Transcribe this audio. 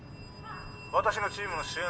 私のチームの支援